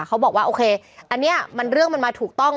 เขาบอกว่าโอเคอันนี้เรื่องมันมาถูกต้อง